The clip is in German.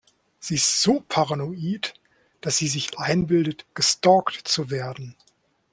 Sie ist so paranoid, dass sie sich einbildet, gestalkt zu werden.